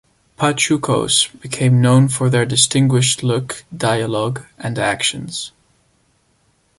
Pachucos became known for their distinguished look, dialogue, and actions.